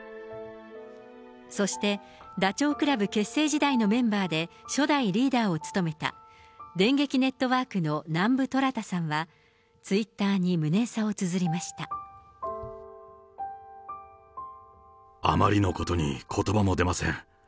そして、ダチョウ倶楽部結成時代のメンバーで、初代リーダーを務めた、電撃ネットワークの南部虎弾さんは、ツイッターに無念さをつづりあまりのことにことばも出ません。